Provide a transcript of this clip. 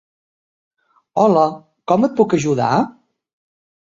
Hola! Com et puc ajudar?